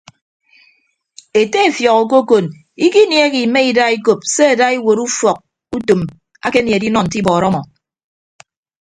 Ete efiọk okokon ikiniehe ime ida ikop se ada iwuot ufọk utom akenie edinọ nte ibọọrọ ọmọ.